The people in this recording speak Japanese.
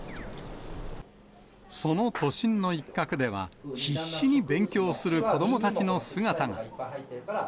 その都心の一角では、必死に勉強する子どもたちの姿が。